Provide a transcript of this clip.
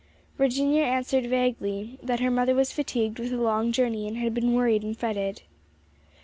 Virginia answered vaguely that her mother was fatigued with a long journey and had been worried and fretted.